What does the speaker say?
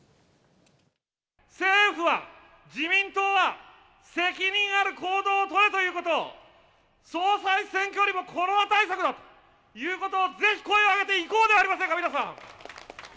政府は、自民党は、責任ある行動を取れということを、総裁選挙よりもコロナ対策だということをぜひ声を上げていこうではありませんか、皆さん。